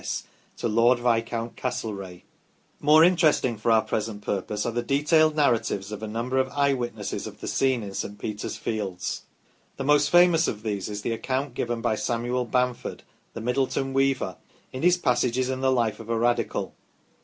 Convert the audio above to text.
S., to Lord Viscount Castlereagh ". More interesting for our present purpose are the detailed narratives of a number of eye witnesses of the scene in St. Peter's fields. The most famous of these is the account given by Samuel Bamford, the Middleton weaver, in his " Passages in the Life of a Radical